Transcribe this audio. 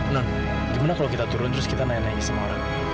nah gimana kalau kita turun terus kita nanya nanya sama orang